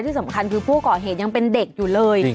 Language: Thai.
ที่สำคัญคือผู้ก่อเหตุยังเป็นเด็กอยู่เลย